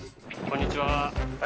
こんにちは。